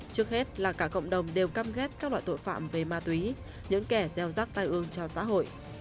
trước hết là cả cộng đồng đều cam ghét các loại tội phạm về ma túy những kẻ gieo rắc tai ương cho xã hội